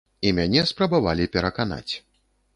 І мяне спрабавалі пераканаць.